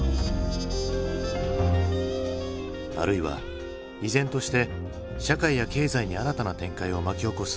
あるいは依然として社会や経済に新たな展開を巻き起こす